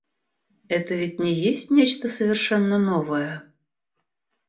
Это ведь не есть нечто совершенно новое.